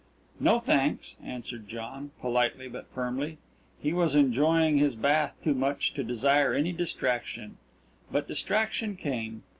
"No, thanks," answered John, politely but firmly. He was enjoying his bath too much to desire any distraction. But distraction came.